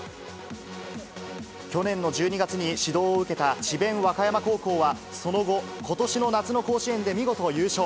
去年の１２月に指導を受けた智辯和歌山高校は、その後、ことしの夏の甲子園で見事優勝。